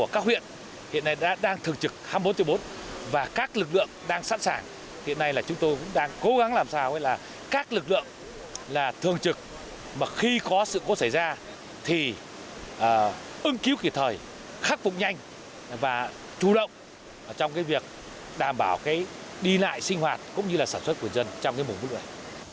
chủ động trong việc đảm bảo đi lại sinh hoạt cũng như sản xuất của dân trong mùa vụ này